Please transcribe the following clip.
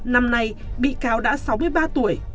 năm nay bị cáo đã sáu mươi ba tuổi